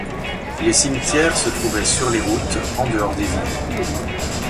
Les cimetières se trouvaient sur les routes en dehors des villes.